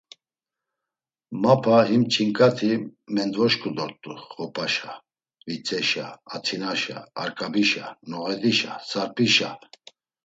Mapa him ç̌inǩati mendvoşǩu dort̆u Xopaşa, Vitzeşa, Atinaşa, Arkabişa, Noğedişa, Sarpişa…